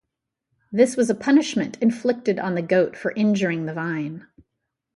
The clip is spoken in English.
This was a punishment inflicted on the goat for injuring the vine.